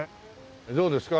どうですか？